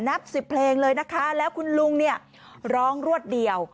นับสิบเพลงเลยนะคะแล้วคุณลุงเนี่ยร้องรวดเดียว